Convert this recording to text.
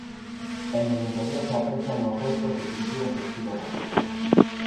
En el interior se aprecian los restos de pinturas de estilo gótico.